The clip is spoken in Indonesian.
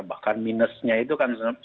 bahkan minusnya itu kan